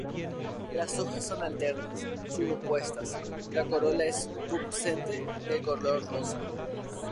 Las hojas son alternas, subopuestas, la corola es pubescente de color rosa.